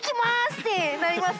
ってなります。